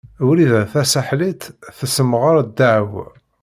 Wrida Tasaḥlit tessemɣer ddeɛwa.